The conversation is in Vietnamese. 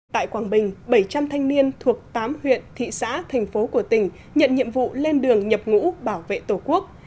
tại quảng bình bảy trăm linh thanh niên thuộc tám huyện thị xã thành phố của tỉnh nhận nhiệm vụ lên đường nhập ngũ bảo vệ tổ quốc